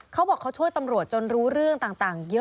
เขาบอกเขาช่วยตำรวจจนรู้เรื่องต่างเยอะ